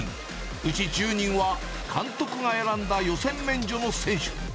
うち１０人は監督が選んだ予選免除の選手。